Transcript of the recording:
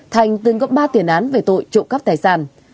thành từng góp ba tiền án về tội trộn cắt tài sản